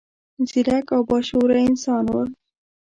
ځیرک او با شعوره انسان و.